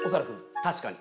確かに。